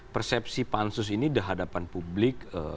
persepsi pansus ini di hadapan publik